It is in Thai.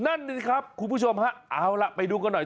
นั่นสิครับคุณผู้ชมฮะเอาล่ะไปดูกันหน่อย